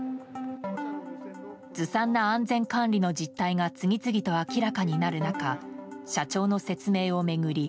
ずさんな安全管理の実態が次々と明らかになる中社長の説明を巡り